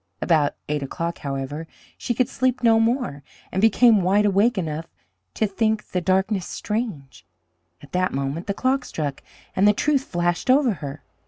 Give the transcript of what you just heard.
About eight o'clock, however, she could sleep no more, and became wide awake enough to think the darkness strange. At that moment the clock struck, and the truth flashed over her.